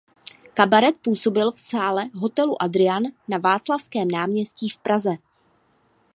Kabaret působil v sále hotelu Adria na Václavském náměstí v Praze.